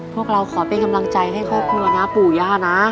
พวกเราขอเป็นกำลังใจให้ครอบครัวนะปู่ย่านะ